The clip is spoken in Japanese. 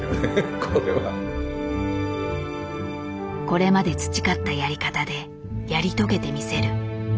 「これまで培ったやり方でやり遂げてみせる」。